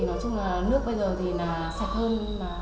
nói chung là nước bây giờ thì sạch hơn